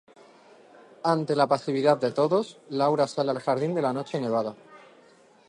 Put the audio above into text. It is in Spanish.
Ante la pasividad de todos, Laura sale al jardín de la noche nevada.